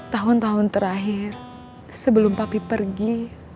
tahun tahun terakhir sebelum papi pergi